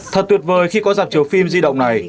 thật tuyệt vời khi có giạp chiếu phim di động này